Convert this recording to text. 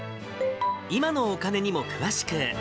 今のお金にも詳しく。